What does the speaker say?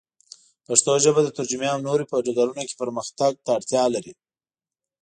پښتو ژبه د ترجمې او نورو په ډګرونو کې پرمختګ ته اړتیا لري.